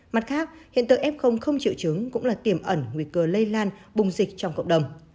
mặt khác hiện tượng f không triệu chứng cũng là tiềm ẩn nguy cơ lây lan bùng dịch trong cộng đồng